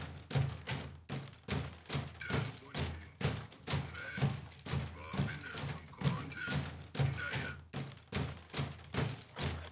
Taà bô ǹdè fɛʼɛ, bɔɔ bênə̀ ŋ̀kɔɔntə nda yâ.